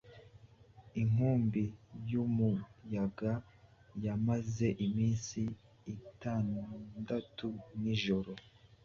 Inkubi yumuyaga yamaze iminsi itandatu nijoro